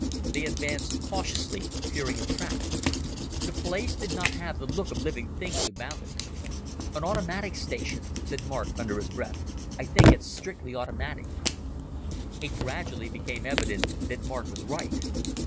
They advanced cautiously, fearing a trap. The place did not have the look of living things about it. "An automatic station," said Mark under his breath. "I think it's strictly automatic." It gradually became evident that Mark was right.